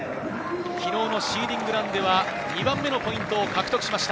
昨日のシーディングランでは２番目のポイントを獲得しました。